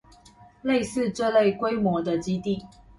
類似這類規模的基地